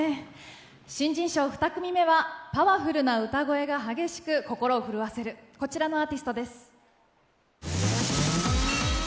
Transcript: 新人賞２組目はパワフルな歌声が激しく心を震わせる、こちらのアーティストです。